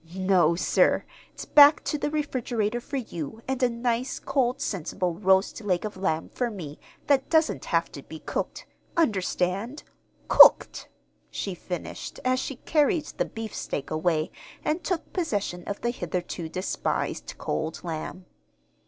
No, sir! It's back to the refrigerator for you, and a nice cold sensible roast leg of lamb for me, that doesn't have to be cooked. Understand? Cooked," she finished, as she carried the beefsteak away and took possession of the hitherto despised cold lamb.